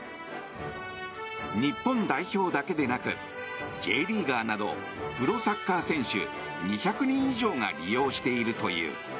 日本代表だけでなくＪリーガーなどプロサッカー選手２００人以上が利用しているという。